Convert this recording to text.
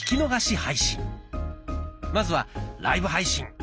まずは「ライブ配信」。